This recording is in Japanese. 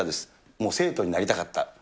もう生徒になりたかった。